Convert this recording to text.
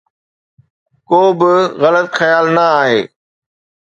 ڪو به غلط خيال نه آهي